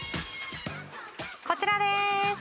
こちらです！